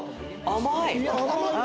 甘い！